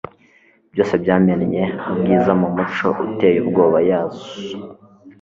byose byamennye ubwiza mumucyo uteye ubwoba ya zoo